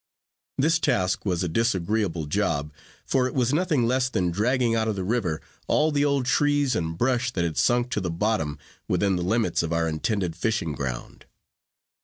This task was a disagreeable job, for it was nothing less than dragging out of the river all the old trees and brush that had sunk to the bottom, within the limits of our intended fishing ground.